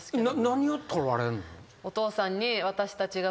何を取られんの？